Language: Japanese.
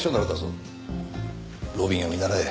路敏を見習え。